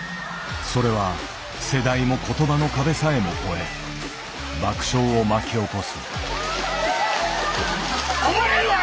それは世代も言葉の壁さえも超え爆笑を巻き起こす。